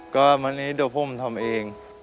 ก็วันนี้เดี๋ยวผมทำเอง